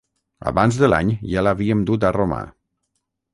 Abans de l'any ja l'havíem dut a Roma.